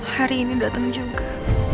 hari ini datang juga